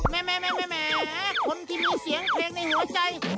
แม่คนที่มีเสียงเพลงในหัวใจ